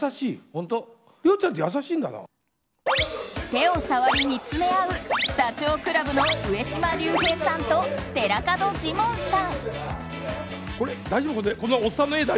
手を触り見つめ合うダチョウ倶楽部の上島竜兵さんと寺門ジモンさん。